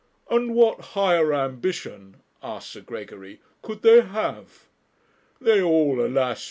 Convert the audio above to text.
And what higher ambition,' asked Sir Gregory, 'could they have? They all, alas!